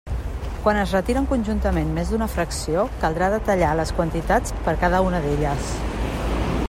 Quan es retiren conjuntament més d'una fracció caldrà detallar les quantitats per cada una d'elles.